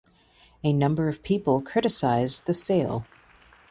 A number of people criticized the sale.